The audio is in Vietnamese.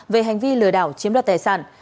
về hành vi lừa đảo chiếm đoạt tài sản